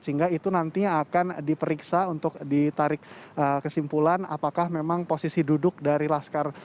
sehingga itu nantinya akan diperiksa untuk ditarik kesimpulan apakah memang posisi duduk dari laskar